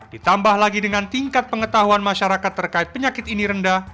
ditambah lagi dengan tingkat pengetahuan masyarakat terkait penyakit ini rendah